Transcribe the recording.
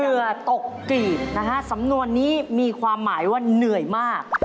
เหยื่อตกกรีบนะฮะสำนวนนี้มีความหมายว่าเหนื่อยมาก